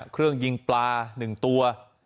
เครื่องยิงปลา๑ตัว